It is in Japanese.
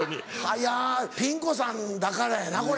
いやピン子さんだからやなこれ。